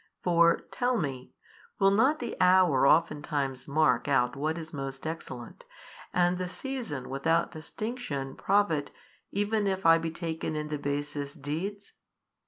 For (tell me) will not the hour oftentimes mark out what is most excellent, and the season without distinction profit, even if I be taken in the basest deeds?